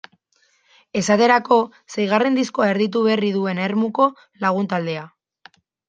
Esaterako, seigarren diskoa erditu berri duen Ermuko lagun taldea.